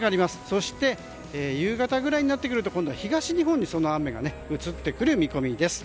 そして夕方ぐらいになると東日本にその雨雲が移ってくる見込みです。